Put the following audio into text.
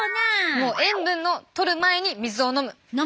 もう塩分のとる前に水を飲む。